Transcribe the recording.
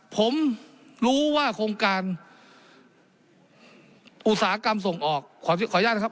ผมรู้ว่าโครงการอุตสาหกรรมส่งออกขออนุญาตนะครับ